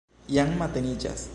Jam mateniĝas.